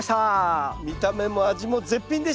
見た目も味も絶品でした！